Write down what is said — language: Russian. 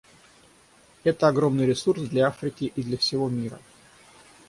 Это огромный ресурс для Африки и для всего мира.